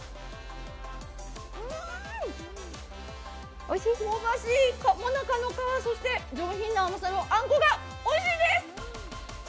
うーん、香ばしいもなかの皮、そして上品な甘さのあんこがおいしいです。